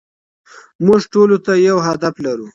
موږ ټولو ته يو هدف لرو.